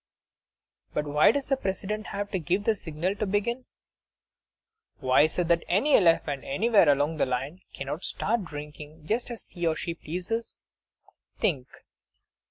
But why does the President have to give the signal to begin? Why is it that any elephant, anywhere along the line, cannot start drinking, just as he or she pleases? Think!